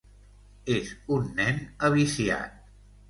És un nen aviciat...